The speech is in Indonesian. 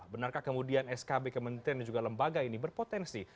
benarkah kemudian skb kementerian dan juga lembaga ini berpotensi